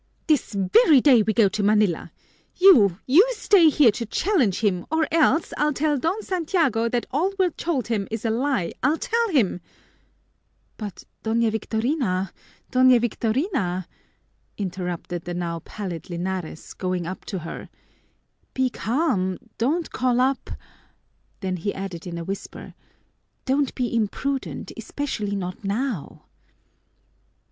"This very day we go to Manila. You, you stay here to challenge him or else I'll tell Don Santiago that all we're told him is a lie, I'll tell him " "But, Doña Victorina, Doña Victorina," interrupted the now pallid Linares, going up to her, "be calm, don't call up " Then he added in a whisper, "Don't be imprudent, especially just now."